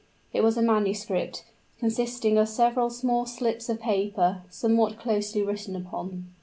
It was a manuscript, consisting of several small slips of paper, somewhat closely written upon.